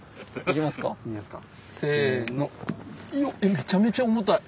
めちゃめちゃ重たい！